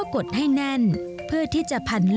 แล้วก็กดให้แน่นเพื่อที่จะพันลวดเข้ากับตัวเข็ม